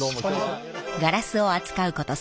ガラスを扱うこと